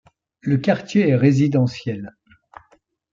Le quartier est résidentiel.